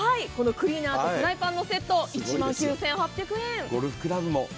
このクリーナーとフライパンのセット１万９８００円！ゴルフクラブも。